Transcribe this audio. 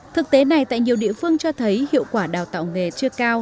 thực tế này tại nhiều địa phương cho thấy hiệu quả đào tạo nghề chưa cao